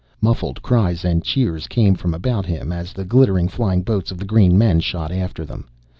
Muffled cries and cheers came from about him as the glittering flying boats of the green men shot after them.